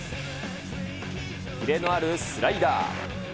キレのあるスライダー。